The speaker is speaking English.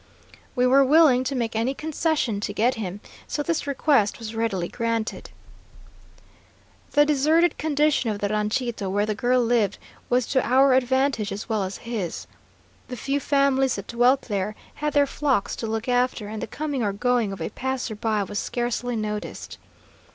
We were willing to make any concession to get him, so this request was readily granted. "The deserted condition of the ranchito where the girl lived was to our advantage as well as his. The few families that dwelt there had their flocks to look after, and the coming or going of a passer by was scarcely noticed.